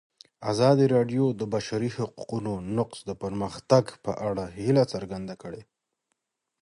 ازادي راډیو د د بشري حقونو نقض د پرمختګ په اړه هیله څرګنده کړې.